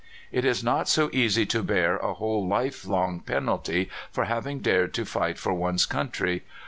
It is not so easy to bear a whole lifelong penalty for having dared to fight for one's country.